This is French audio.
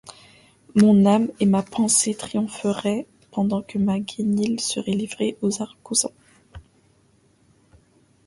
Mon âme et ma pensée triompheraient pendant que ma guenille serait livrée aux argousins!